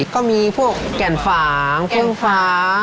ก็มีพวกแก่นฝางทุ่งฟ้า